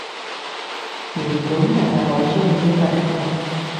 原本係咪好鍾意呢份工